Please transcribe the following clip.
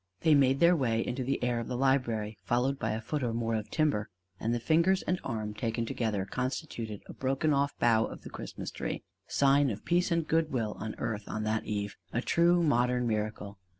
They made their way into the air of the library, followed by a foot or more of timber; and the fingers and arm taken together constituted a broken off bough of the Christmas Tree: sign of peace and good will on earth on that Eve: a true modern miracle!